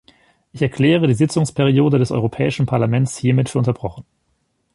Ich erkläre die Sitzungsperiode des Europäischen Parlaments hiermit für unterbrochen.